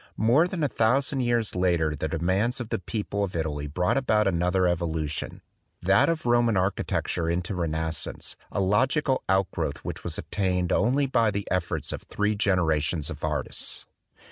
More than a thousand years later the demands of the people of Italy brought about another evolution, that of Roman architecture into Renascence, a logi cal outgrowth which was attained only by the efforts of three generations of artists.